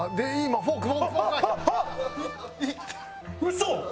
嘘！